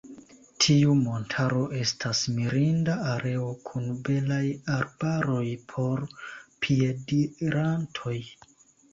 Tiu montaro estas mirinda areo kun belaj arbaroj por piedirantoj.